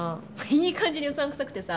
いい感じにうさんくさくてさ。